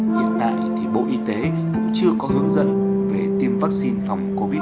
hiện tại thì bộ y tế cũng chưa có hướng dẫn về tiêm vaccine phòng covid một mươi chín cho trẻ em